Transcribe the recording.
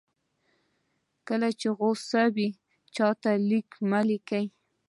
کله چې غوسه وئ چاته لیک مه لیکئ.